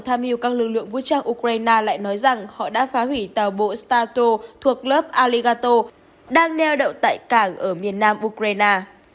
tham mưu các lực lượng vũ trang ukraine lại nói rằng họ đã phá hủy tàu bộ stato thuộc lớp alicato đang neo đậu tại cảng ở miền nam ukraine